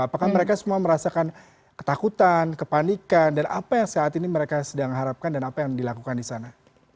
apakah mereka semua merasakan ketakutan kepanikan dan apa yang saat ini mereka sedang harapkan dan apa yang dilakukan di sana